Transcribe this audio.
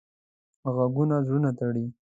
غږونه زړونه تړي